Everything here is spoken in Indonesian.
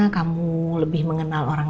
kamu lebih mengenal orang